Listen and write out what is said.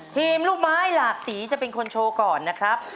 ลูกไม้หลากสีจะเป็นคนโชว์ก่อนนะครับ